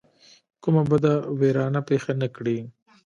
کومه بده ویرانه پېښه نه کړي.